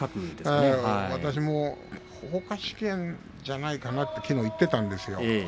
私も、ほうか織炎ではないかなときのう言っていたんですよ。